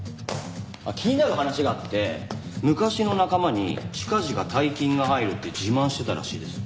あっ気になる話があって昔の仲間に近々大金が入るって自慢してたらしいです。